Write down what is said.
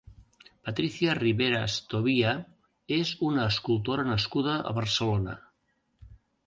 Patricia Riveras Tobia és una escultora nascuda a Barcelona.